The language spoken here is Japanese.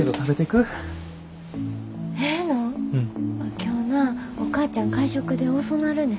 今日なお母ちゃん会食で遅なるねん。